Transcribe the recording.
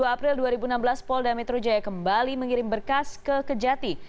dua puluh april dua ribu enam belas polda metro jaya kembali mengirim berkas ke kejati